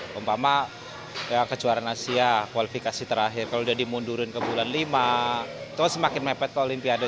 umpama kejuaraan asia kualifikasi terakhir kalau udah dimundurin ke bulan lima itu semakin mepet ke olimpiade